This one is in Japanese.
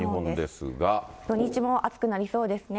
土日も暑くなりそうですね。